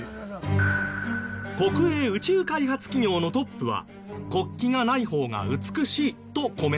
国営宇宙開発企業のトップは「国旗がないほうが美しい」とコメントしています。